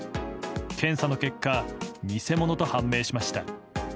検査の結果偽物と判明しました。